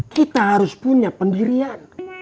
kita harus punya pendirian